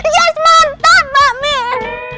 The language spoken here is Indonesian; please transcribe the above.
yes mantap mbak mir